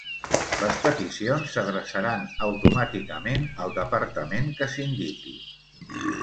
Les peticions s'adreçaran automàticament al departament que s'indiqui.